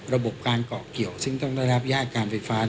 ระบบการเกาะเกี่ยวซึ่งต้องได้รับญาตการไฟฟ้า